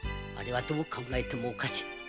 あれはどう考えてもおかしい。